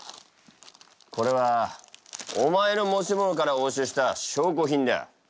これはお前の持ち物から押収した証拠品だ。